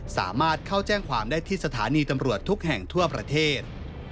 สามารถเข้าแจ้งความได้ที่สถานีตำรวจทุกแห่งทั่วประเทศ